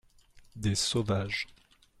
Des sauvages.